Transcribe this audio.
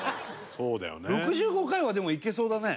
そうだよね。